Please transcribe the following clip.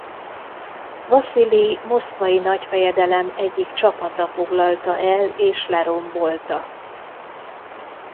Vaszilij moszkvai nagyfejedelem egyik csapata foglalta el és lerombolta.